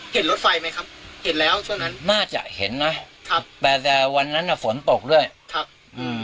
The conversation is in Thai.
เห็นรถไฟไหมครับเห็นแล้วช่วงนั้นน่าจะเห็นนะครับแต่แต่วันนั้นน่ะฝนตกด้วยครับอืม